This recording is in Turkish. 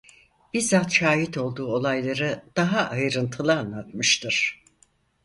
Bizzat şahit olduğu olayları daha ayrıntılı anlatmıştır.